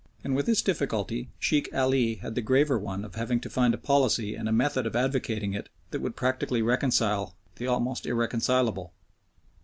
And with this difficulty Sheikh Ali had the graver one of having to find a policy and a method of advocating it that would practically reconcile the almost irreconcilable.